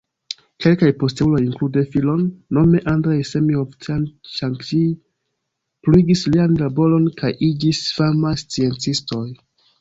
Kelkaj posteuloj, inklude filon, nome Andrej Semjonov-Tjan-Ŝanskij, pluigis lian laboron kaj iĝis famaj sciencistoj.